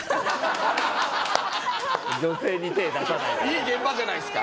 いい現場じゃないですか。